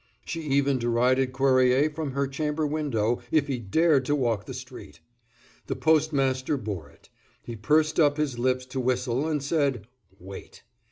She even derided Cuerrier from her chamber window if he dared to walk the street. The postmaster bore it; he pursed up his lips to whistle, and said, "Wait."